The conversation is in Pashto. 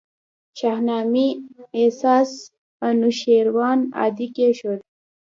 شاهنامې اساس انوشېروان عادل کښېښود.